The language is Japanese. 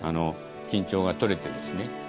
緊張がとれてですね